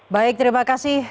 baik terima kasih